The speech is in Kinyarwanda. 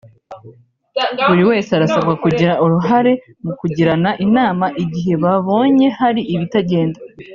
buri wese arasabwa kugira uruhare mu kugirana inama igihe babonye hari ibitagenda